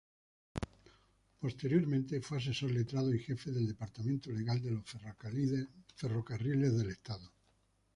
Posteriormente fue asesor letrado y jefe del Departamento Legal de los Ferrocarriles del Estado.